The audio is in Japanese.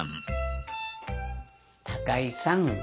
高井さん